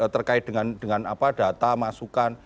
terkait dengan data masukan